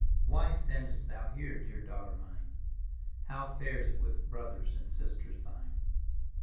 "Why standest thou here, dear daughter mine? How fares it with brothers and sisters thine?